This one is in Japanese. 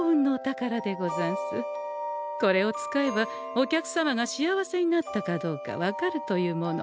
これを使えばお客様が幸せになったかどうか分かるというもの。